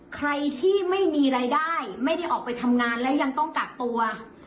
ใครที่ไม่มีรายได้ไม่ได้ออกไปทำงานและยังต้องกักตัว